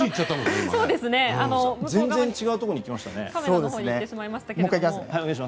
全然違うところにいきましたね。